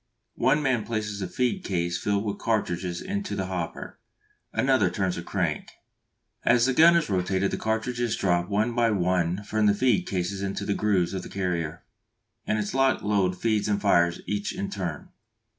One man places a feed case filled with cartridges into the hopper, another turns the crank. As the gun is rotated the cartridges drop one by one from the feed cases into the grooves of the carrier, and its lock loads and fires each in turn.